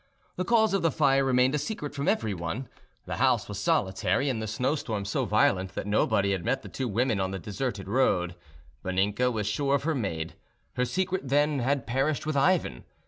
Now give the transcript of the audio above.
The cause of the fire remained a secret from everyone: the house was solitary, and the snowstorm so violent that nobody had met the two women on the deserted road. Vaninka was sure of her maid. Her secret then had perished with Ivan.